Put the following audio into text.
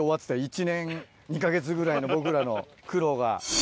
１年２か月ぐらいの僕らの苦労が。